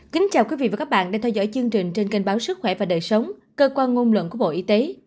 kính chào quý vị và các bạn đang theo dõi chương trình trên kênh báo sức khỏe và đời sống cơ quan ngôn luận của bộ y tế